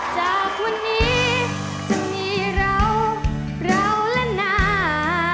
จากวันนี้จะมีเราเราและหน้า